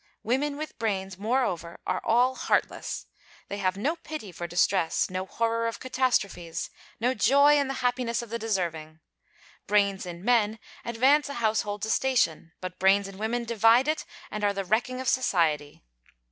Women with brains, moreover, are all heartless: they have no pity for distress, no horror of catastrophes, no joy in the happiness of the deserving. Brains in men advance a household to station; but brains in women divide it and are the wrecking of society.